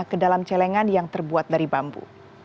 ke dalam celengan yang terbuat dari bambu